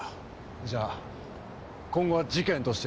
じゃあ今後は事件として捜査を？